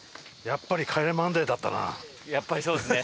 やっぱりそうですね